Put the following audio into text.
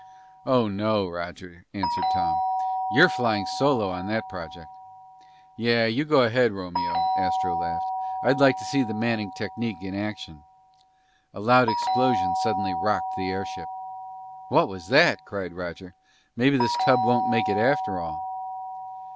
"Oh, no, Roger," answered Tom. "You're flying solo on that project!" "Yeah, you go ahead, Romeo." Astro laughed. "I'd like to see the Manning technique in action." A loud explosion suddenly rocked the spaceship. "What was that?" cried Roger. "Maybe this old tub won't make it after all!"